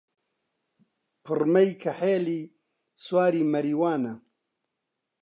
پڕمەی کەحێلی سواری مەریوانە